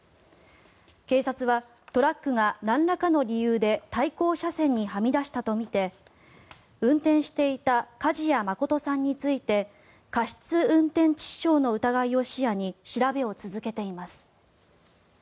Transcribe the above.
警察はトラックがなんらかの理由で対向車線にはみ出したとみて運転していた梶谷誠さんについて過失運転致死傷の疑いを視野に調べを続けています。